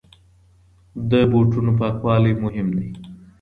د بوټانو پاکوالی مهم دی.